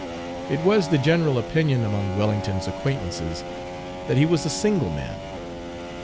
It was the general opinion among Wellington's acquaintances that he was a single man.